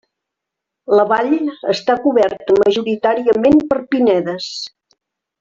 La vall està coberta majoritàriament per pinedes.